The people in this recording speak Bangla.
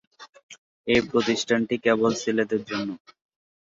এ প্রতিষ্ঠানটি কেবল ছেলেদের জন্য।